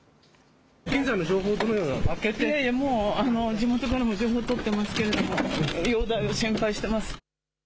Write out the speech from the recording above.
現在の情報、もう、地元からも情報取ってますけど、容体を心配してます。